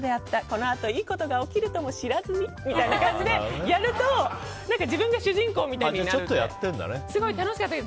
このあと、いいことが起きるとも知らずにみたいにやると自分が主人公みたいになってすごく楽しかったり。